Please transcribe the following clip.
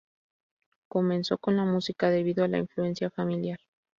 Comenzó con la música debido a la influencia familiar.